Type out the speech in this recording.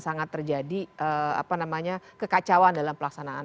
sangat terjadi kekacauan dalam pelaksanaan